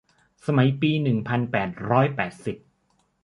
สมัยปีหนึ่งพันแปดร้อยแปดสิบ